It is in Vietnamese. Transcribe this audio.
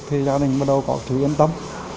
thì gia đình bắt đầu có thứ yên tâm